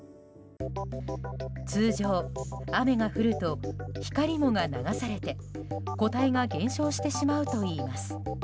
通常、雨が降るとヒカリモが流されて個体が減少してしまうといいます。